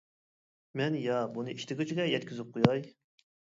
مەن يا. بۇنى ئىشلىگۈچىگە يەتكۈزۈپ قوياي.